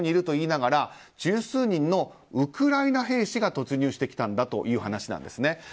と言いながら十数人のウクライナ兵士が突入してきたんだという話なんです。